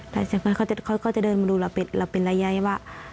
แล้วเขาก็จะเดินมาดูระเป็นระยะไว้ว่า